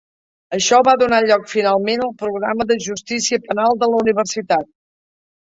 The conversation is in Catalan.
Això va donar lloc finalment al programa de justícia penal de la universitat.